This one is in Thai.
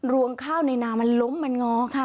วงข้าวในนามันล้มมันงอค่ะ